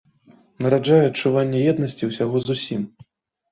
Нараджае адчуванне еднасці ўсяго з усім.